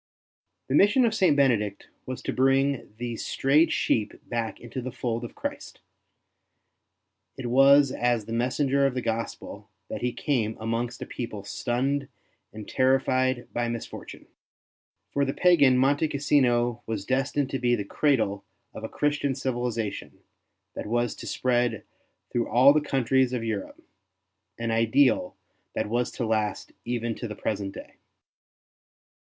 The mission of St. Benedict was to bring these strayed sheep back into the fold of Christ; it was as the messenger of the Gospel that he came amongst a people stunned and terrified by misfortune. For the pagan Monte Cassino was destined to be the cradle of a Christian civilization that was to. spread through all the countries of Europe — an ideal that was to last even to the present day.